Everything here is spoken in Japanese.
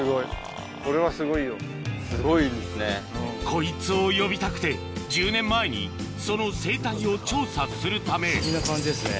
こいつを呼びたくて１０年前にその生態を調査するため不思議な感じですね